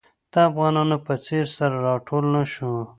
د افغانانو په څېر سره راټول نه شو.